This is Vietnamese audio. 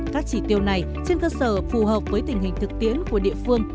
các chỉ tiêu này trên cơ sở phù hợp với tình hình thực tiễn của địa phương